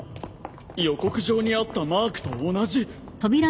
予告状にあったマークと同じ。